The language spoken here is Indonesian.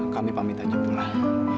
kami pamit aja pulang